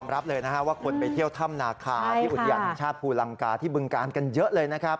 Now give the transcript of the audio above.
รับเลยนะฮะว่าคนไปเที่ยวถ้ำนาคาที่อุทยานแห่งชาติภูลังกาที่บึงการกันเยอะเลยนะครับ